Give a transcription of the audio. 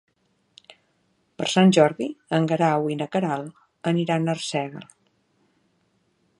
Per Sant Jordi en Guerau i na Queralt aniran a Arsèguel.